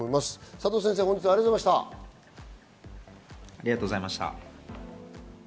佐藤先生、ありがとうございました。